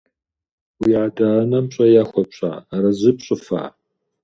Уи адэ-анэм пщӀэ яхуэпщӀа, арэзы пщӀыфа?